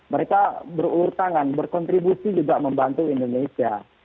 mereka berulur tangan berkontribusi juga membantu indonesia